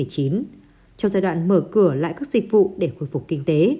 trong giai đoạn mở cửa lại các dịch vụ để khôi phục kinh tế